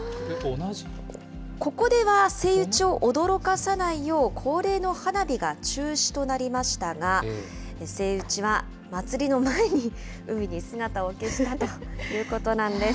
ここではセイウチを驚かさないよう、恒例の花火が中止となりましたが、セイウチは祭りの前に海に姿を消したということなんです。